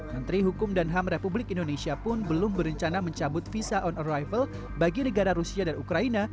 menteri hukum dan ham republik indonesia pun belum berencana mencabut visa on arrival bagi negara rusia dan ukraina